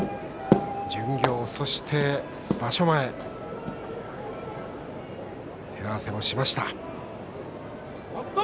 巡業そして場所前手合わせをしました。